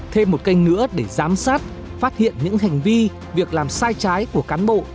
thêm một kênh nữa để giám sát phát hiện những hành vi việc làm sai trái của cán bộ